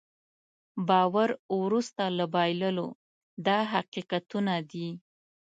باور وروسته له بایللو دا حقیقتونه دي.